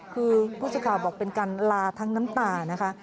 คือผู้สื่อข่าวบอกเป็นการลาทั้งน้ำตานะคะ